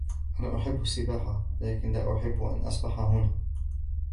أنا أحب السباحة, ولكن لا أحب أن أسبح هنا.